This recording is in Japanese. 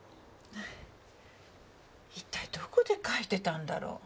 一体どこで書いてたんだろ？